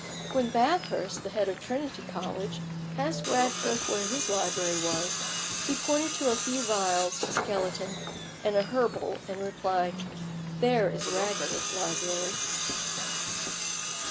When Bathurst, the head of Trinity College, asked Radcliffe where his library was, he pointed to a few vials, a skeleton, and a herbal, and replied, "There is Radcliffe's library."